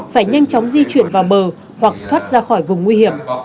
phải nhanh chóng di chuyển vào bờ hoặc thoát ra khỏi vùng nguy hiểm